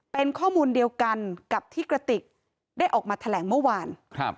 เป็นข้อมูลเดียวกันกับที่กระติกได้ออกมาแถลงเมื่อวาน